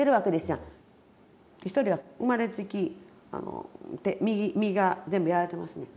一人は生まれつき右側全部やられてますねん。